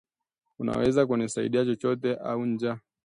Unaweza kunisaidia chochote? Ah njaa